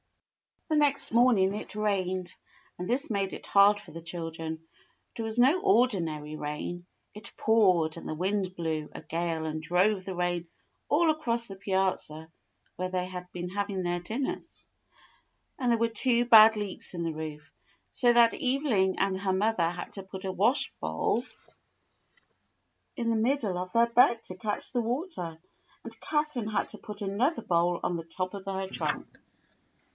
The next morning it rained, and this made it hard for the children, for it was no ordinary rain; it poured, and the wind blew a gale and drove the rain all across the piazza where they had been having their dinners; and there were two bad leaks in the roof, so that Evelyn and her mother had to put a washbowl in the THE LITTLE GAYS 83 middle of their bed to catch the water, and Catherine had to put another bowl on the top of her trunk.